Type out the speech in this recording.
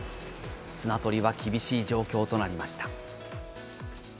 綱取りは厳しい状況となりました。